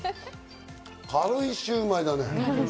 軽いシューマイだね。